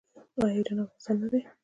آیا ایران او افغانستان نه دي؟